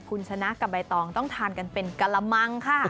คุณชนะกับใบตองต้องทานกันเป็นกะละมังค่ะ